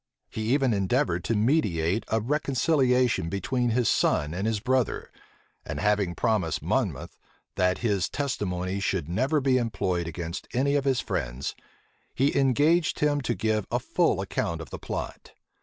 He even endeavored to mediate a reconciliation between his son and his brother; and having promised Monmouth, that his testimony should never be employed against any of his friends, he engaged him to give a full account of the plot.